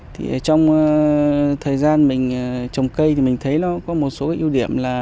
trong thời gian mình trồng cây mình thấy có một số ưu điểm là